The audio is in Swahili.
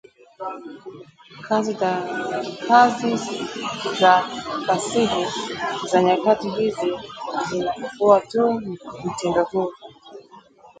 Kazi za fasihi za nyakati hizi zinafufua tu mtindo huu